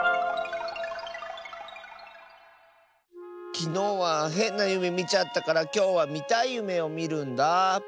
きのうはへんなゆめみちゃったからきょうはみたいゆめをみるんだあ。